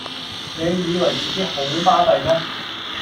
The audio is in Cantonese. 你以為自己好巴閉咩！